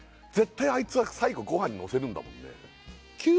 絶対あいつは最後ご飯にのせるんだもんね